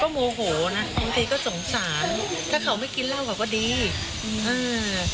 โมโหนะบางทีก็สงสารถ้าเขาไม่กินเหล้าเขาก็ดีอืมอ่า